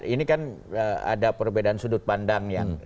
ini kan ada perbedaan sudut pandang yang